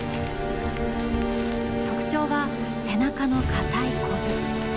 特徴は背中の硬いコブ。